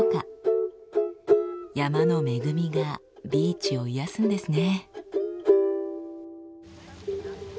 山の恵みがビーチを癒やすんですね。